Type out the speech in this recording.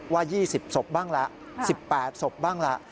ว่า๒๐ศพบ้างละ๑๘ศพบ้างละ